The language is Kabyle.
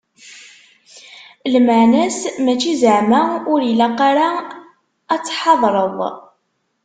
Lmeεna-s mačči zeεma ur ilaq ara ad tḥadreḍ.